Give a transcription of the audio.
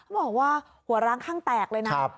บอกว่าหัวร้างข้างแตกเลยนะ